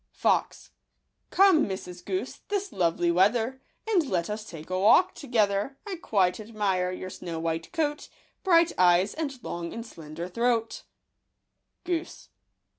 Fox .—" Come, Mrs. Goose, this lovely weather, And let us take a walk together ; I quite admire your snow white coat, Bright eyes, and long and slender throat/' Goose